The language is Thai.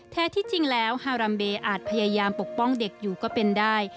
แท้ที่จริงแล้วฮารัมเบอาจพยายามปกป้องเด็กอยู่ก็เป็นได้